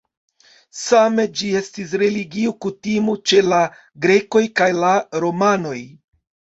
Same, ĝi estis religio kutimo ĉe la grekoj kaj la romanoj.